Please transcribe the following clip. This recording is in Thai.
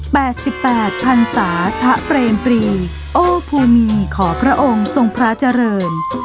แปดสิบแปดพันศาทะเปรมปรีโอภูมีขอพระองค์ทรงพระเจริญ